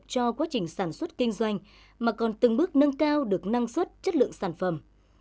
cho quá trình sản xuất kinh doanh mà còn từng bước nâng cao được năng suất chất lượng sản phẩm